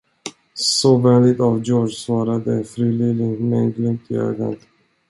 Så vänligt av Georg, svarade fru Lily med en glimt i ögat.